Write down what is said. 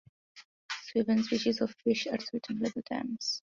Seven species of fish are threatened by the dams.